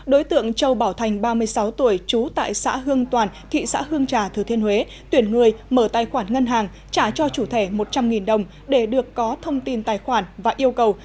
đối tượng châu bảo thành ba mươi sáu tuổi trú tại xã hương toàn thị xã hương trà thừa thiên huế tuyển người mở tài khoản ngân hàng trả cho chủ thể một trăm linh đồng để được có thông tin tài khoản và yêu cầu